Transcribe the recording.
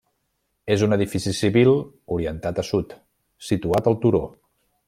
És un edifici civil orientat a sud, situat al turó.